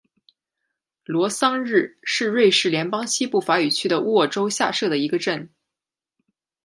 罗桑日是瑞士联邦西部法语区的沃州下设的一个镇。